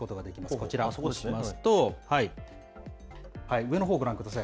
こちらを押してみますと、上のほうご覧ください。